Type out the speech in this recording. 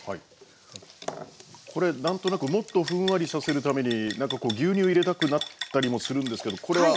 これ何となくもっとふんわりさせるために何かこう牛乳入れたくなったりもするんですけどこれは？